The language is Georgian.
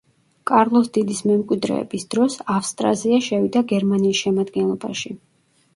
კარლოს დიდის მემკვიდრეების დროს ავსტრაზია შევიდა გერმანიის შემადგენლობაში.